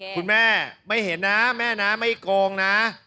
คุณแม่ไม่เห็นนะไม่โกงนะ